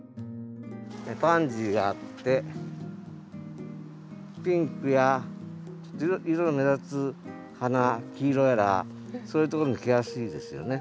パンジーがあってピンクや色の目立つ花黄色やらそういうところに来やすいですよね。